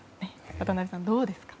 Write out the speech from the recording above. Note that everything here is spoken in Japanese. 渡辺さん、どうですか？